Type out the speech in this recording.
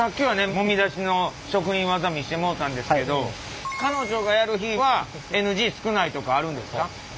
もみ出しの職人技見してもろたんですけど彼女がやる日はＮＧ少ないとかあるんですか？